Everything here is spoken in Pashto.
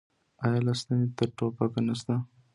آیا له ستنې تر ټوپکه نشته؟